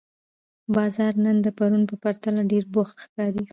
بازار نن د پرون په پرتله ډېر بوخت ښکاري